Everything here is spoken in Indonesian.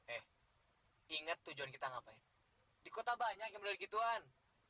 eh inget tujuan kita ngapain di kota banyak yang udah gituan